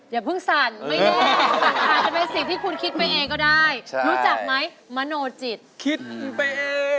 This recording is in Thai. อย่าเพิ่งสั่นไม่แย่